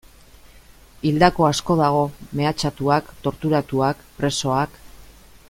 Hildako asko dago, mehatxatuak, torturatuak, presoak...